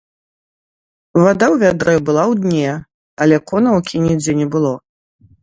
Вада ў вядры была ў дне, але конаўкі нідзе не было.